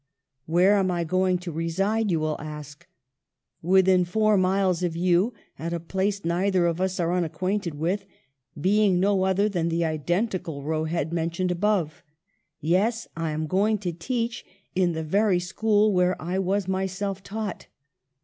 Where am I going to reside ? you will ask. Within four miles of you, at a place neither of us are unacquainted with, being no other than the identical Roe Head mentioned above. Yes ! I am going to teach in the very school where I was myself taught.